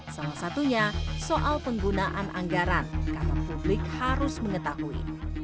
salah satunya soal penggunaan anggaran kalau publik harus mengetahui